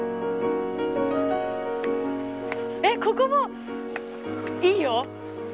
えっここもいいよ！